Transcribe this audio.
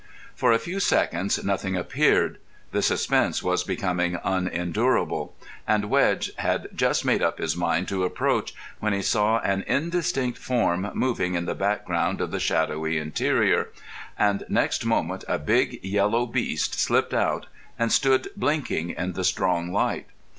For a few seconds nothing appeared. The suspense was becoming unendurable, and Wedge had just made up his mind to approach when he saw an indistinct form moving in the background of the shadowy interior, and next moment a big yellow beast slipped out and stood blinking in the strong light.